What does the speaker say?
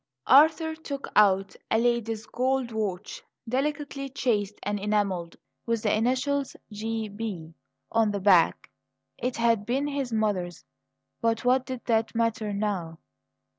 Arthur took out a lady's gold watch, delicately chased and enamelled, with the initials "G. B." on the back. It had been his mother's but what did that matter now?